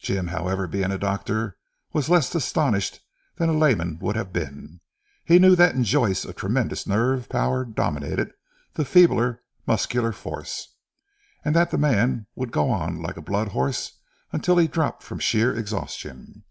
Jim however being a doctor, was less astonished than a layman would have been. He knew that in Joyce a tremendous nerve power dominated the feebler muscular force, and that the man would go on like a blood horse until he dropped from sheer exhaustion.